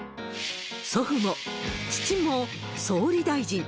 祖父も父も総理大臣。